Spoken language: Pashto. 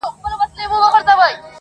o بس دعوه یې بې له شرطه و ګټله,